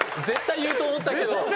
絶対言うと思ったけど。